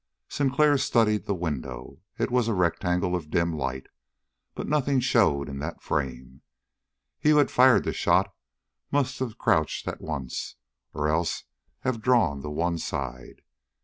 Sinclair studied the window. It was a rectangle of dim light, but nothing showed in that frame. He who had fired the shot must have crouched at once, or else have drawn to one side.